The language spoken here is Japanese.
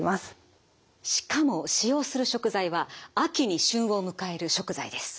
しかも使用する食材は秋に旬を迎える食材です。